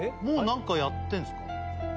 もう何かやってんですか？